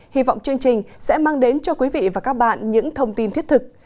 hy vọng chương trình sẽ mang đến cho quý vị và các bạn những thông tin thiết thực